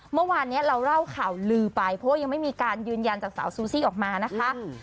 เมื่อวานนี้เราเล่าข่าวลือไปเพราะว่ายังไม่มีการยืนยันจากสาวซูซี่ออกมานะคะ